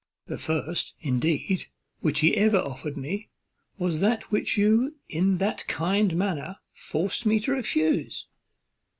The first, indeed, which he ever offered me was that which you in that kind manner forced me to refuse."